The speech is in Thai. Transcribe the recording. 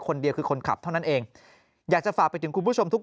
คนเดียวคือคนขับเท่านั้นเองอยากจะฝากไปถึงคุณผู้ชมทุก